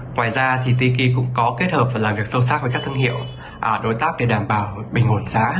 ngoài ra thì tiki cũng có kết hợp và làm việc sâu sắc với các thương hiệu đối tác để đảm bảo bình ổn giá